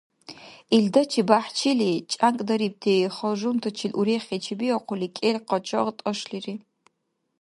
Илдачи бяхӀчили чӀянкӀдарибти ханжултачил урехи чебиахъули кӀел къачагъ тӀашлири.